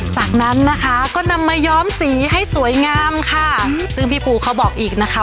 จากนั้นนะคะก็นำมาย้อมสีให้สวยงามค่ะซึ่งพี่ปูเขาบอกอีกนะคะ